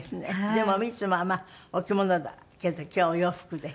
でもいつもはお着物だけど今日はお洋服で。